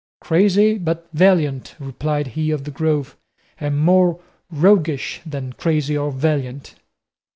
"Crazy but valiant," replied he of the Grove, "and more roguish than crazy or valiant."